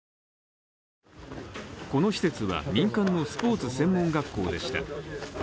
この施設は、民間のスポーツ専門学校でした。